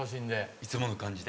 いつもの感じで。